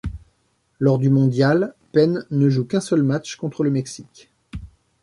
Lors du mondial, Paine ne joue qu'un seul match, contre le Mexique.